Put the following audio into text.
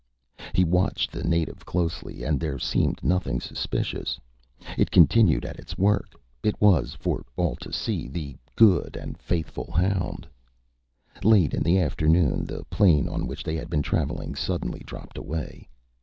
He watched the native closely and there seemed nothing suspicious. It continued at its work. It was, for all to see, the good and faithful hound. Late in the afternoon, the plain on which they had been traveling suddenly dropped away.